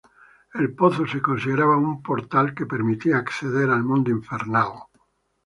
El pozo se consideraba un portal que permitía acceder al mundo infernal.